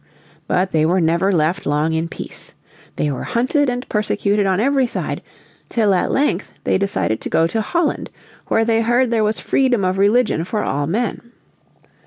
But they were never left long in peace. They were hunted and persecuted on every side, till at length they decided to go to Holland where they heard there was freedom of religion for all men.